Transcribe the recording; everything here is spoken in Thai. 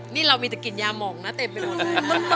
นี่เรามีแต่กลิ่นยาหมองนะเต็มไปหมดเลย